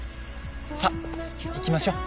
さっ行きましょう